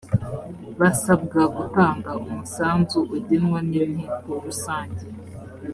basabwa gutanga umusanzu ugenwa n’inteko rusange